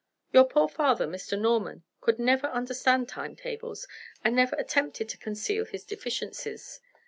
Your poor father, Mr. Norman, could never understand time tables and never attempted to conceal his deficiencies.